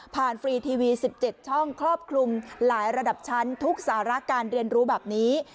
ฟรีทีวี๑๗ช่องครอบคลุมหลายระดับชั้นทุกสาระการเรียนรู้แบบนี้